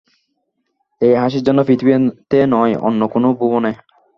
এই হাসির জন্ম পৃথিবীতে নয়, অন্য কোনো ভুবনে।